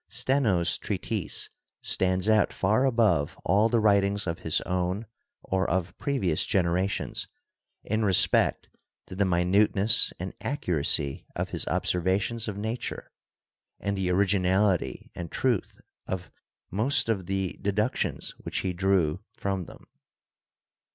Steno's treatise stands out far above all the writings of his own or of previous generations in respect to the minuteness and accuracy of his observations of Nature and the originality and truth of most of the deductions which he drew from them.